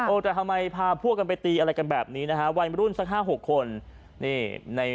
โอ้ใช่ครับนี่ฮะ